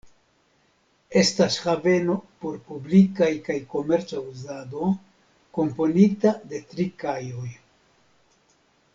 Estas haveno por publikaj kaj komerca uzado, komponita de tri kajoj.